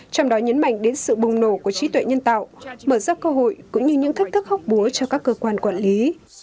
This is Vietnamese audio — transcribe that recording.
trong đó nhấn mạnh đến sự bùng nổ của trí tuệ nhân tạo mở ra cơ hội cũng như những thách thức hóc búa cho các cơ quan quản lý